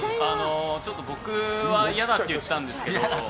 僕は嫌だって言ったんですけど。